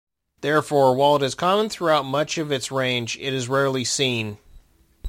Therefore, while it is common throughout much of its range, it is rarely seen.